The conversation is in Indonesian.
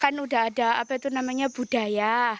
kan udah ada apa itu namanya budaya